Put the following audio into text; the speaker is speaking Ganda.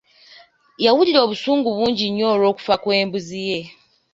Yawulira obusungu bungi nnyo olw’okufa kw’embuzi ye.